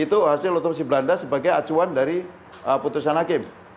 itu hasil otopsi belanda sebagai acuan dari putusan hakim